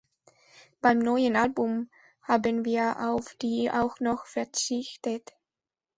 Beim neuen Album haben wir auf die auch noch verzichtet.